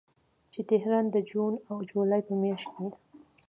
چې تهران د جون او جولای په میاشتو کې